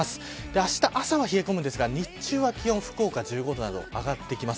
あした朝は冷え込むんですが日中は気温、福岡１５度など上がってきます。